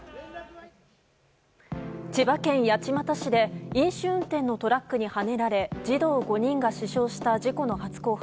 千葉県八街市で飲酒運転のトラックにはねられ児童５人が死傷した事故の初公判。